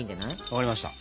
わかりました。